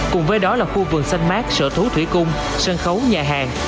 cùng với đó là khu vườn xanh mát sở thú thủy cung sân khấu nhà hàng